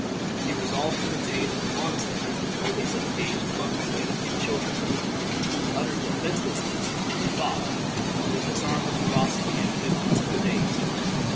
He resolved to retain at the monastery only some aged monks and a few children, whose utter defenselessness, he thought, would disarm the ferocity and vengeance of the Danes.